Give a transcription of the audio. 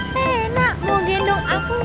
rena mau gendong aku gak